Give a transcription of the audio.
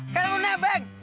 sekarang lo nebeng